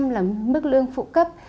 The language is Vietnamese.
là mức lương phụ cấp